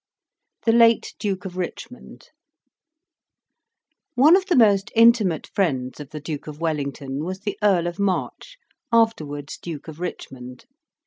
THE LATE DUKE OF RICHMOND One of the most intimate friends of the Duke of Wellington was the Earl of March, afterwards Duke of Richmond.